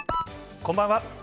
こんばんは。